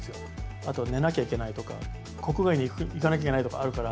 あと寝なきゃいけないとか国外に行かなきゃいけないとかあるから。